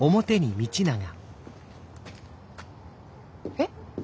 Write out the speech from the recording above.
えっ？